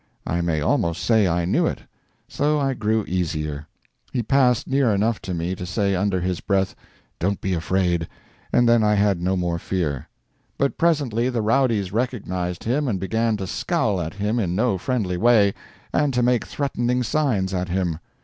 I may almost say I knew it. So I grew easier. He passed near enough to me to say under his breath, "Don't be afraid," and then I had no more fear. But presently the rowdies recognized him and began to scowl at him in no friendly way, and to make threatening signs at him.